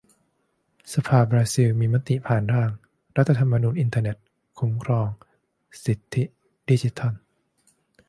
สภาบราซิลมีมติผ่านร่าง "รัฐธรรมนูญอินเทอร์เน็ต" คุ้มครองสิทธิดิจิทัล